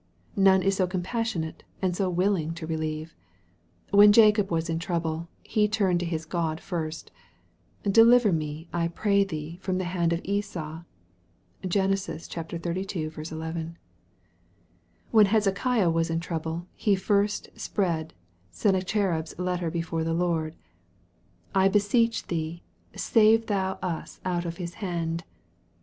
None is so com passionate, and so willing to relieve. When Jacob was in trouble he turned to his God first :" Deliver me, I pray thee, from the hand of Esau." (Gen. xxxii. 11.) When Hezekiah was in trouble, he first spread Senna cherib's letter before the Lord :" I beseech thee, save thou us out of his hand."